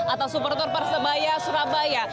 atau super tour persebaya surabaya